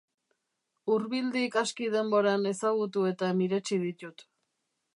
Hurbildik aski denboran ezagutu eta miretsi ditut.